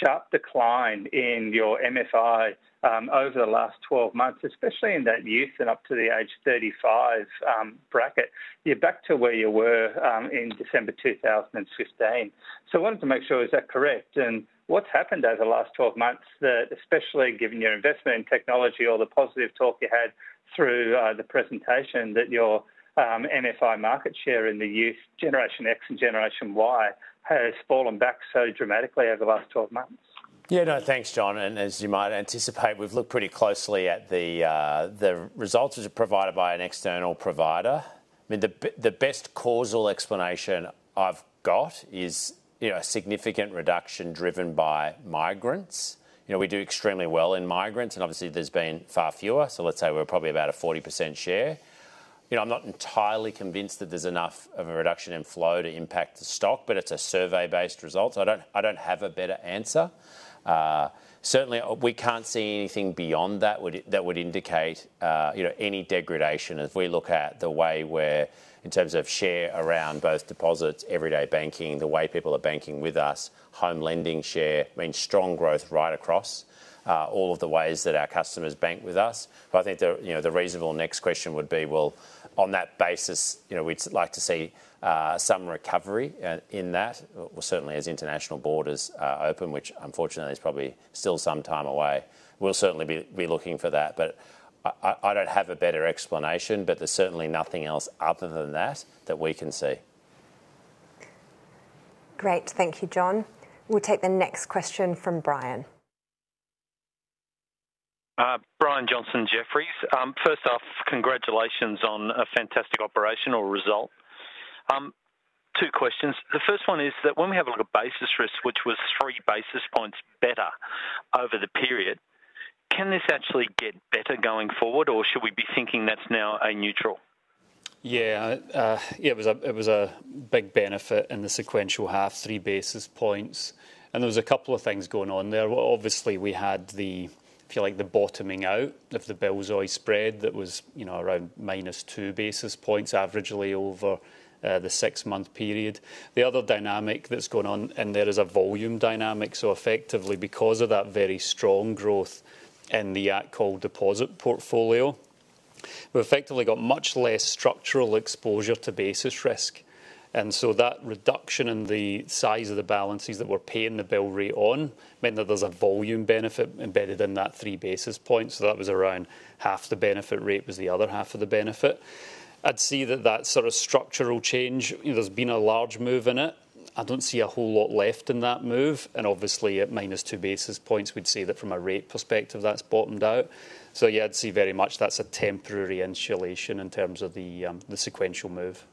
sharp decline in your MFI over the last 12 months, especially in that youth and up to the age 35 bracket. You're back to where you were in December 2015. I wanted to make sure, is that correct? What's happened over the last 12 months, especially given your investment in technology or the positive talk you had through the presentation, that your MFI market share in the youth, Generation X and Generation Y, has fallen back so dramatically over the last 12 months? No, thanks, Jon. As you might anticipate, we've looked pretty closely at the results, which are provided by an external provider. I mean, the best causal explanation I've got is a significant reduction driven by migrants. We do extremely well in migrants, obviously there's been far fewer, so let's say we're probably about a 40% share. I'm not entirely convinced that there's enough of a reduction in flow to impact the stock, it's a survey-based result. I don't have a better answer. Certainly, we can't see anything beyond that would indicate any degradation as we look at the way where, in terms of share around both deposits, everyday banking, the way people are banking with us, home lending share. I mean, strong growth right across all of the ways that our customers bank with us. I think the reasonable next question would be, well, on that basis, we'd like to see some recovery in that. Well, certainly as international borders open, which unfortunately is probably still some time away. We'll certainly be looking for that. I don't have a better explanation, but there's certainly nothing else other than that that we can see. Great. Thank you, Jon. We'll take the next question from Brian. Brian Johnson, Jefferies. First off, congratulations on a fantastic operational result. Two questions. The first one is that when we have a look at basis risk, which was three basis points better over the period, can this actually get better going forward, or should we be thinking that's now a neutral? It was a big benefit in the sequential half, three basis points. There was a couple of things going on there. Obviously we had the, if you like, the bottoming out of the bank bill/OIS spread that was around minus two basis points averagely over the six-month period. The other dynamic that's going on in there is a volume dynamic. Effectively, because of that very strong growth in the at-call deposit portfolio, we've effectively got much less structural exposure to basis risk. That reduction in the size of the balances that we're paying the bill rate on, mean that there's a volume benefit embedded in that three basis points. That was around half the benefit rate, was the other half of the benefit. I'd see that that sort of structural change, there's been a large move in it. I don't see a whole lot left in that move, and obviously at minus two basis points, we'd see that from a rate perspective, that's bottomed out. Yeah, I'd see very much that's a temporary insulation in terms of the sequential move.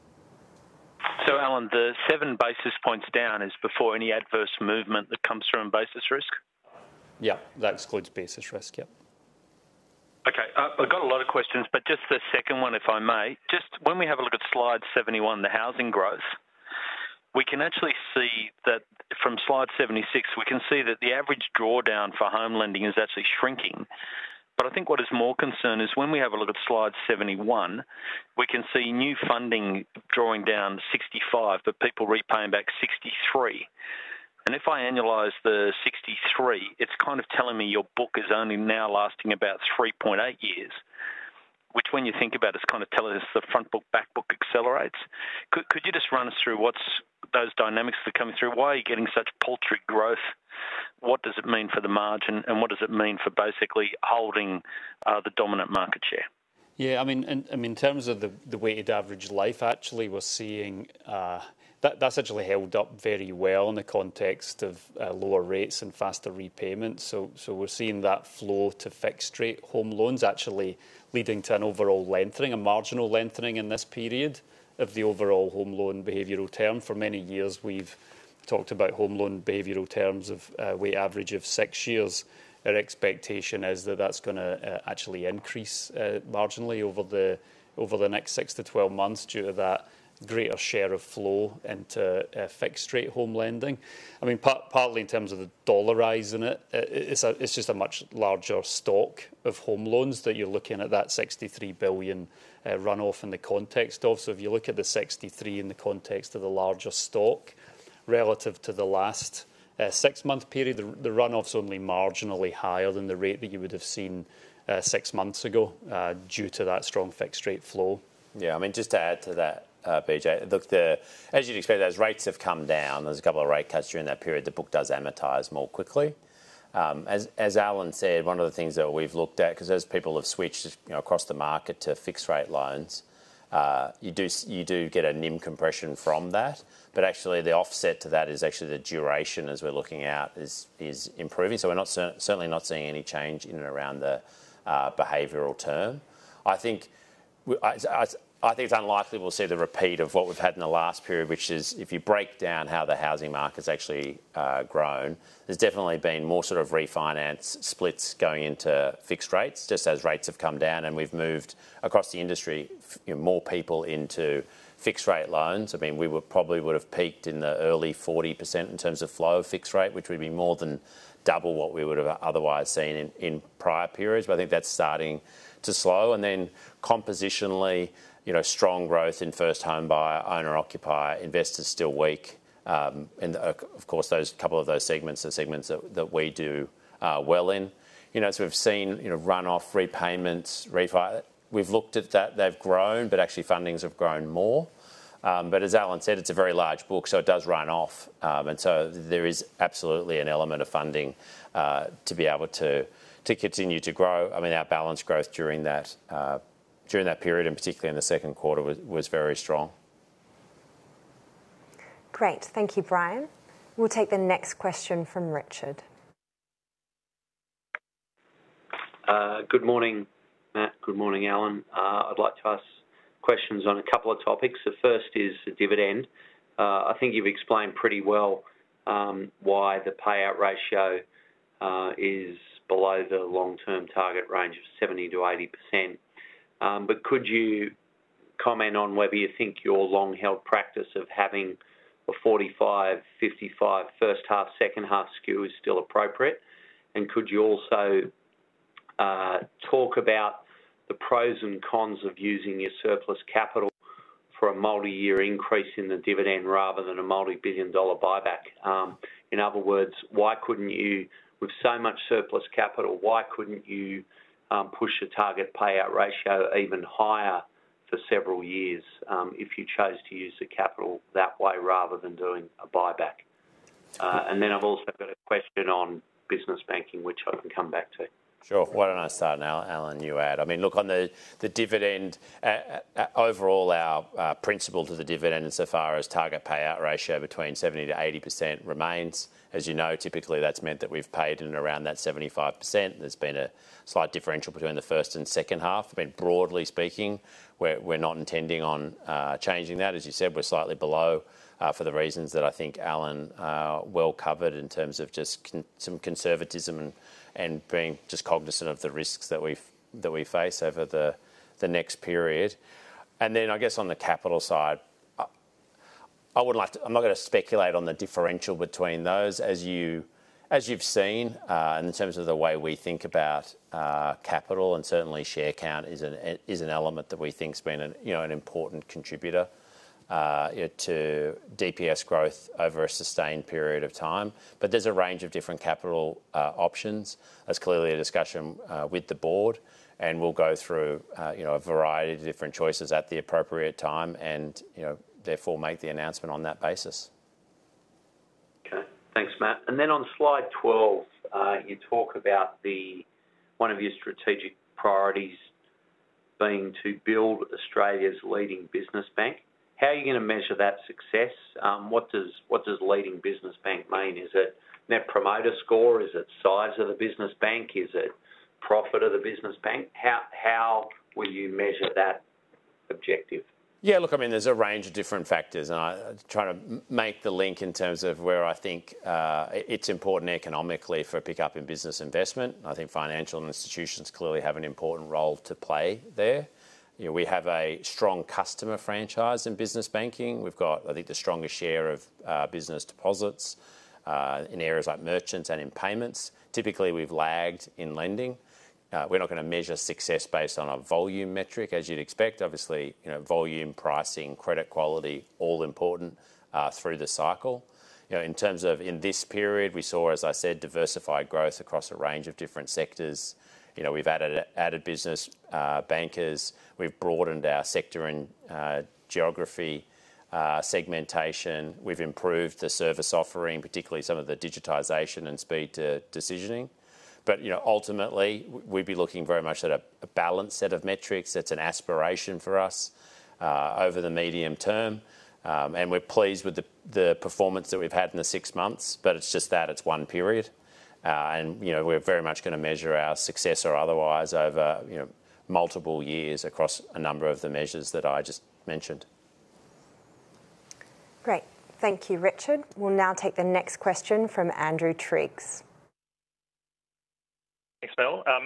Alan, the seven basis points down is before any adverse movement that comes from basis risk? Yeah. That excludes basis risk. Yeah. Okay. I've got a lot of questions, but just the second one, if I may. Just when we have a look at slide 71, the housing growth, we can actually see that from slide 76, we can see that the average drawdown for home lending is actually shrinking. I think what is more concerning is when we have a look at slide 71, we can see new funding drawing down 65, but people repaying back 63. If I annualize the 63, it's kind of telling me your book is only now lasting about 3.8 years. Which when you think about, it's kind of telling us the front book, back book accelerates. Could you just run us through what's those dynamics that are coming through? Why are you getting such paltry growth? What does it mean for the margin, and what does it mean for basically holding the dominant market share? I mean, in terms of the weighted average life, actually, we're seeing that's actually held up very well in the context of lower rates and faster repayments. We're seeing that flow to fixed rate home loans actually leading to an overall lengthening, a marginal lengthening in this period of the overall home loan behavioral term. For many years, we've talked about home loan behavioral terms of a weighted average of six years. Our expectation is that that's going to actually increase marginally over the next six to 12 months due to that greater share of flow into fixed rate home lending. I mean, partly in terms of the dollar rise in it. It's just a much larger stock of home loans that you're looking at that 63 billion runoff in the context of. If you look at the 63 in the context of the larger stock relative to the last six month period, the runoff's only marginally higher than the rate that you would have seen six months ago, due to that strong fixed rate flow. I mean, just to add to that, BJ. Look, as you'd expect, as rates have come down, there's a couple of rate cuts during that period, the book does amortize more quickly. As Alan said, one of the things that we've looked at, because as people have switched across the market to fixed rate loans, you do get a NIM compression from that. Actually, the offset to that is actually the duration as we're looking out is improving. We're certainly not seeing any change in and around the behavioral term. I think it's unlikely we'll see the repeat of what we've had in the last period, which is if you break down how the housing market's actually grown, there's definitely been more sort of refinance splits going into fixed rates, just as rates have come down and we've moved across the industry, more people into fixed rate loans. We probably would have peaked in the early 40% in terms of flow of fixed rate, which would be more than double what we would have otherwise seen in prior periods. I think that's starting to slow. Compositionally, strong growth in first home buyer, owner occupier, investors still weak. Of course, a couple of those segments are segments that we do well in. We've seen runoff repayments, refi. We've looked at that. They've grown, but actually fundings have grown more. As Alan said, it's a very large book, it does run off. There is absolutely an element of funding, to be able to continue to grow. Our balance growth during that period, and particularly in the second quarter, was very strong. Great. Thank you, Brian. We'll take the next question from Richard. Good morning, Matt. Good morning, Alan. I'd like to ask questions on a couple of topics. The first is the dividend. I think you've explained pretty well why the payout ratio is below the long-term target range of 70%-80%. Could you also talk about the pros and cons of using your surplus capital for a multi-year increase in the dividend rather than an AUD multi-billion buyback? In other words, with so much surplus capital, why couldn't you push the target payout ratio even higher for several years if you chose to use the capital that way rather than doing a buyback? I've also got a question on business banking, which I can come back to. Sure. Why don't I start, and Alan, you add. Look, on the dividend, overall our principle to the dividend insofar as target payout ratio between 70%-80% remains. As you know, typically, that's meant that we've paid in and around that 75%. There's been a slight differential between the first and second half, but broadly speaking, we're not intending on changing that. As you said, we're slightly below, for the reasons that I think Alan well covered in terms of just some conservatism and being just cognizant of the risks that we face over the next period. I guess on the capital side, I'm not going to speculate on the differential between those. As you've seen, in terms of the way we think about capital, and certainly share count is an element that we think's been an important contributor to DPS growth over a sustained period of time. But there's a range of different capital options. That's clearly a discussion with the board, and we'll go through a variety of different choices at the appropriate time and therefore make the announcement on that basis. Okay. Thanks, Matt. On slide 12, you talk about one of your strategic priorities being to build Australia's leading business bank. How are you going to measure that success? What does leading business bank mean? Is it Net Promoter Score? Is it size of the business bank? Is it profit of the business bank? How will you measure that objective? Yeah, look, there's a range of different factors, and I try to make the link in terms of where I think it's important economically for a pickup in business investment. I think financial institutions clearly have an important role to play there. We have a strong customer franchise in business banking. We've got, I think, the strongest share of business deposits, in areas like merchants and in payments. Typically, we've lagged in lending. We're not going to measure success based on a volume metric, as you'd expect. Obviously, volume, pricing, credit quality, all important through the cycle. In terms of in this period, we saw, as I said, diversified growth across a range of different sectors. We've added business bankers. We've broadened our sector and geography segmentation. We've improved the service offering, particularly some of the digitization and speed to decisioning. Ultimately, we'd be looking very much at a balanced set of metrics. That's an aspiration for us over the medium term. We're pleased with the performance that we've had in the six months. It's just that, it's one period. We're very much going to measure our success or otherwise over multiple years across a number of the measures that I just mentioned. Great. Thank you, Richard. We'll now take the next question from Andrew Triggs. Thanks, Mel. I've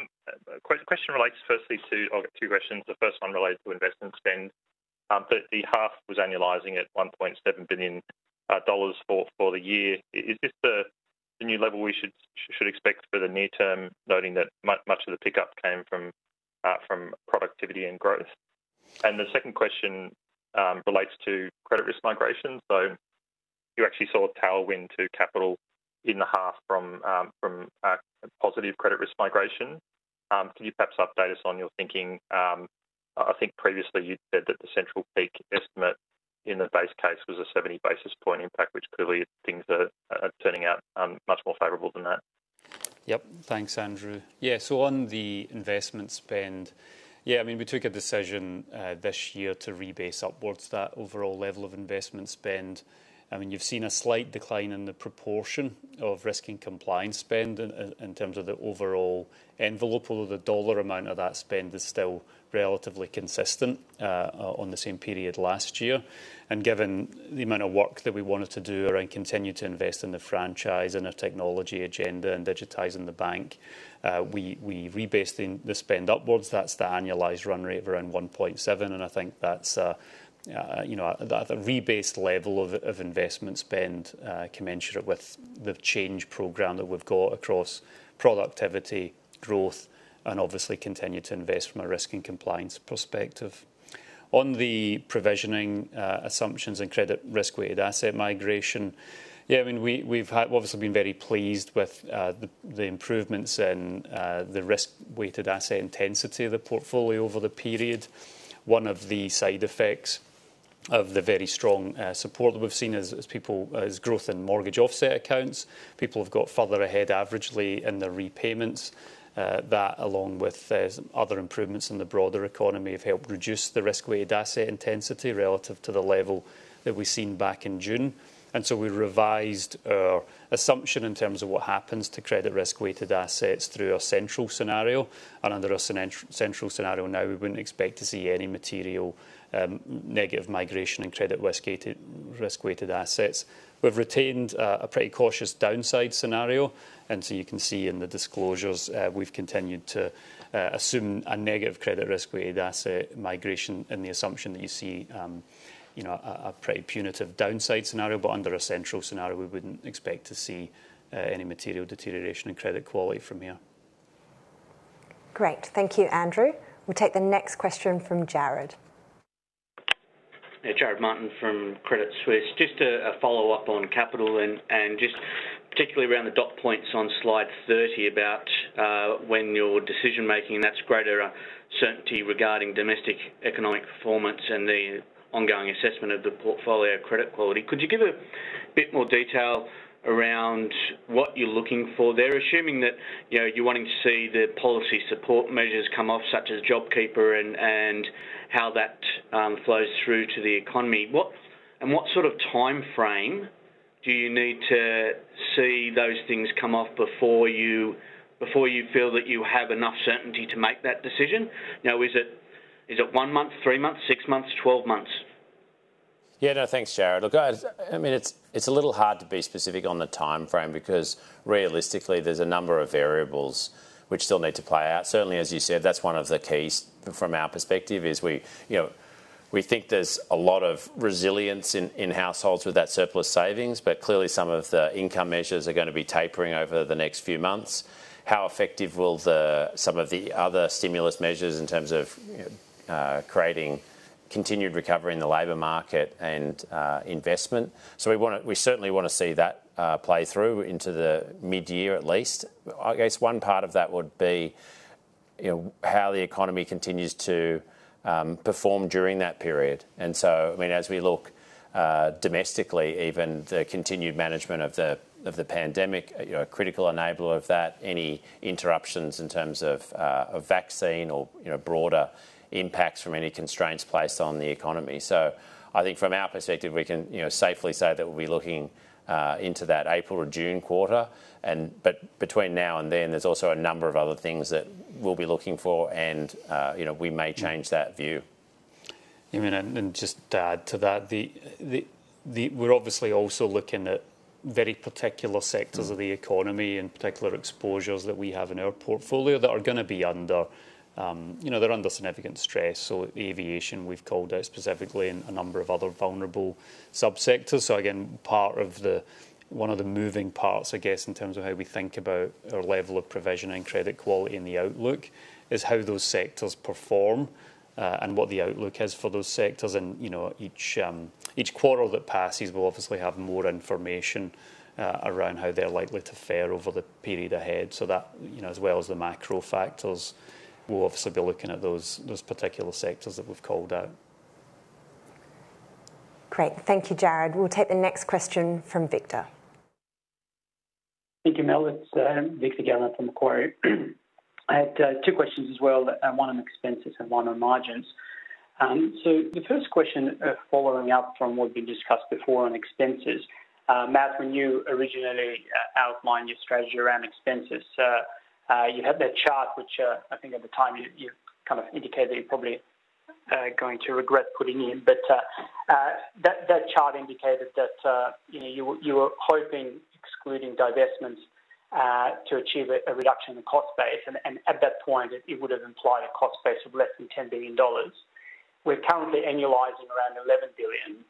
got two questions. The first one relates to investment spend. The half was annualizing at AUD 1.7 billion for the year. Is this the new level we should expect for the near term, noting that much of the pickup came from productivity and growth? The second question relates to credit risk migration. You actually saw a tailwind to capital in the half from positive credit risk migration. Can you perhaps update us on your thinking? I think previously you said that the central peak estimate in the base case was a 70 basis point impact, which clearly things are turning out much more favorable than that. Yep. Thanks, Andrew. Yeah. On the investment spend, we took a decision this year to rebase upwards that overall level of investment spend. You've seen a slight decline in the proportion of risk and compliance spend in terms of the overall envelope, although the AUD amount of that spend is still relatively consistent on the same period last year. Given the amount of work that we wanted to do around continuing to invest in the franchise and our technology agenda and digitizing the bank, we rebased the spend upwards. That's the annualized run rate of around 1.7, and I think that's a rebased level of investment spend commensurate with the change program that we've got across productivity growth and obviously continue to invest from a risk and compliance perspective. On the provisioning assumptions and credit risk-weighted asset migration, we've obviously been very pleased with the improvements in the risk-weighted asset intensity of the portfolio over the period. One of the side effects of the very strong support that we've seen is growth in mortgage offset accounts. People have got further ahead averagely in their repayments. That, along with other improvements in the broader economy, have helped reduce the risk-weighted asset intensity relative to the level that we've seen back in June. We revised our assumption in terms of what happens to credit risk-weighted assets through our central scenario. Under our central scenario now, we wouldn't expect to see any material negative migration in credit risk-weighted assets. We've retained a pretty cautious downside scenario. You can see in the disclosures, we've continued to assume a negative credit risk-weighted asset migration in the assumption that you see a pretty punitive downside scenario. Under a central scenario, we wouldn't expect to see any material deterioration in credit quality from here. Great. Thank you, Andrew. We'll take the next question from Jarrod. Hey, Jarrod Martin from Credit Suisse. Just a follow-up on capital, and just particularly around the dot points on slide 30 about when your decision-making and that greater certainty regarding domestic economic performance and the ongoing assessment of the portfolio credit quality. Could you give a bit more detail around what you're looking for there, assuming that you're wanting to see the policy support measures come off, such as JobKeeper, and how that flows through to the economy? What sort of timeframe do you need to see those things come off before you feel that you have enough certainty to make that decision? Now, is it one month, three months, six months, 12 months? No, thanks, Jarrod. It's a little hard to be specific on the timeframe because realistically, there's a number of variables which still need to play out. Certainly, as you said, that's one of the keys from our perspective is we think there's a lot of resilience in households with that surplus savings. Clearly, some of the income measures are going to be tapering over the next few months. How effective will some of the other stimulus measures, in terms of creating continued recovery in the labor market and investment? We certainly want to see that play through into the midyear at least. I guess one part of that would be how the economy continues to perform during that period. As we look domestically, even the continued management of the pandemic, a critical enabler of that, any interruptions in terms of vaccine or broader impacts from any constraints placed on the economy. I think from our perspective, we can safely say that we'll be looking into that April or June quarter. Between now and then, there's also a number of other things that we'll be looking for, and we may change that view. Just to add to that, we're obviously also looking at very particular sectors of the economy and particular exposures that we have in our portfolio that are going to be under significant stress. Aviation, we've called out specifically, and a number of other vulnerable sub-sectors. Again, one of the moving parts, I guess, in terms of how we think about our level of provision and credit quality in the outlook, is how those sectors perform and what the outlook is for those sectors. Each quarter that passes, we'll obviously have more information around how they're likely to fare over the period ahead. That, as well as the macro factors, we'll obviously be looking at those particular sectors that we've called out. Great. Thank you, Jarrod. We'll take the next question from Victor. Thank you, Mel. It's Victor German from Macquarie. I had two questions as well. One on expenses and one on margins. The first question, following up from what we discussed before on expenses. Matt, when you originally outlined your strategy around expenses, you had that chart, which I think at the time you kind of indicated that you're probably going to regret putting in. That chart indicated that you were hoping, excluding divestments, to achieve a reduction in cost base. At that point, it would have implied a cost base of less than 10 billion dollars. We're currently annualizing around 11 billion.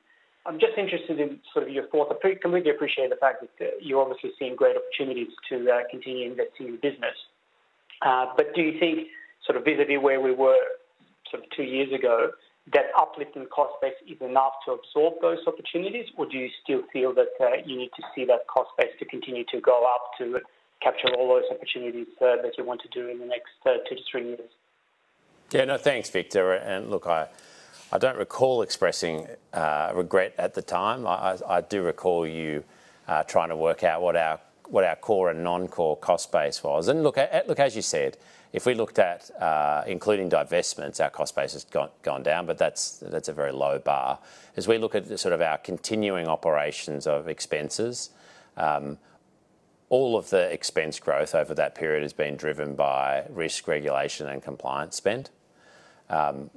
I'm just interested in sort of your thoughts. I completely appreciate the fact that you're obviously seeing great opportunities to continue investing in the business. Do you think vis-à-vis where we were sort of two years ago, that uplift in cost base is enough to absorb those opportunities, or do you still feel that you need to see that cost base to continue to go up to capture all those opportunities that you want to do in the next 2-3 years? Yeah. No, thanks, Victor. Look, I don't recall expressing regret at the time. I do recall you trying to work out what our core and non-core cost base was. Look, as you said, if we looked at including divestments, our cost base has gone down, but that's a very low bar. As we look at sort of our continuing operations of expenses, all of the expense growth over that period has been driven by risk regulation and compliance spend.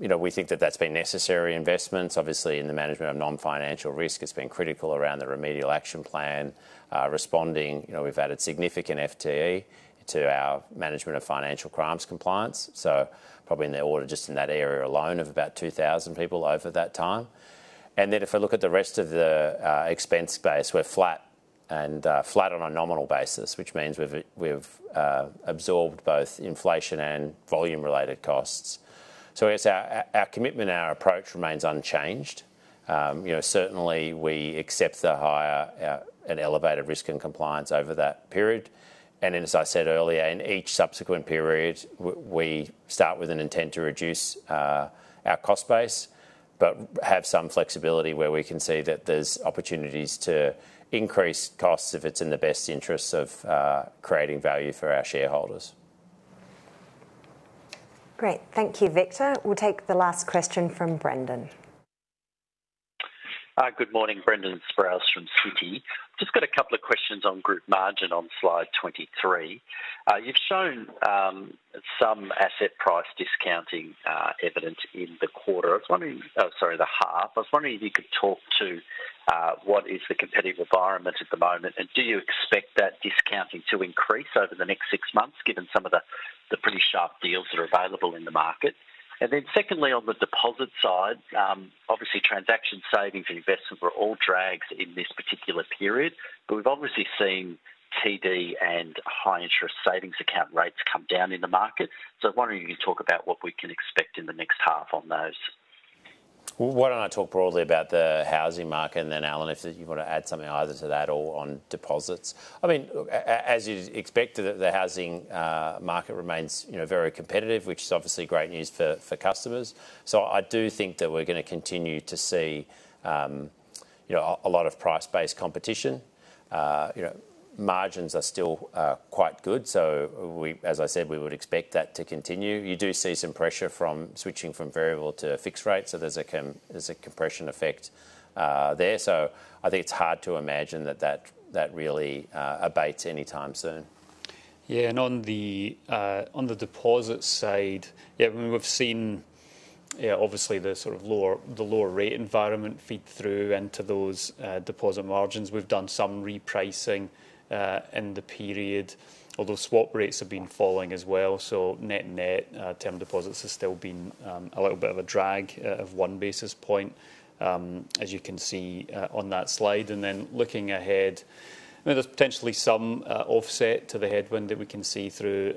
We think that that's been necessary investments. Obviously, in the management of non-financial risk, it's been critical around the Remedial Action Plan, responding. We've added significant FTE to our management of financial crimes compliance, so probably in the order just in that area alone of about 2,000 people over that time. If I look at the rest of the expense base, we're flat on a nominal basis, which means we've absorbed both inflation and volume-related costs. Our commitment, our approach remains unchanged. Certainly, we accept the higher and elevated risk in compliance over that period. As I said earlier, in each subsequent period, we start with an intent to reduce our cost base, but have some flexibility where we can see that there's opportunities to increase costs if it's in the best interests of creating value for our shareholders. Great. Thank you, Victor. We'll take the last question from Brendan. Hi. Good morning. Brendan Sproules from Citi. Just got a couple of questions on group margin on slide 23. You've shown some asset price discounting evidence in the quarter. Oh, sorry, the half. I was wondering if you could talk to what is the competitive environment at the moment. Do you expect that discounting to increase over the next six months, given some of the pretty sharp deals that are available in the market? Secondly, on the deposit side, obviously transaction savings and investments were all drags in this particular period. We've obviously seen TD and high interest savings account rates come down in the market. I wonder if you could talk about what we can expect in the next half on those. Why don't I talk broadly about the housing market, and then, Alan, if you want to add something either to that or on deposits. As you'd expect, the housing market remains very competitive, which is obviously great news for customers. I do think that we're going to continue to see a lot of price-based competition. Margins are still quite good. As I said, we would expect that to continue. You do see some pressure from switching from variable to fixed rate, so there's a compression effect there. I think it's hard to imagine that really abates anytime soon. Yeah, on the deposit side, we've seen obviously the lower rate environment feed through into those deposit margins. We've done some repricing in the period, although swap rates have been falling as well. Net net, term deposits has still been a little bit of a drag of one basis point, as you can see on that slide. Looking ahead, there's potentially some offset to the headwind that we can see through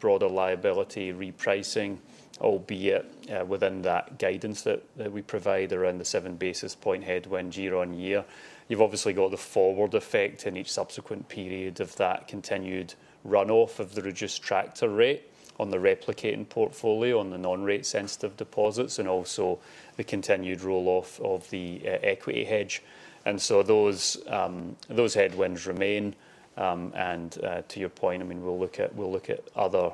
broader liability repricing, albeit within that guidance that we provide around the seven basis point headwind year-on-year. You've obviously got the forward effect in each subsequent period of that continued runoff of the reduced tracker rate on the replicating portfolio, on the non-rate sensitive deposits, and also the continued roll-off of the equity hedge. Those headwinds remain. To your point, we'll look at other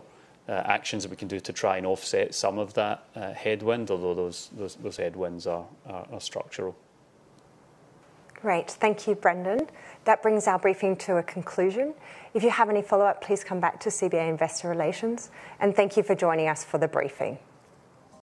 actions that we can do to try and offset some of that headwind, although those headwinds are structural. Great. Thank you, Brendan. That brings our briefing to a conclusion. If you have any follow-up, please come back to CBA Investor Relations, and thank you for joining us for the briefing.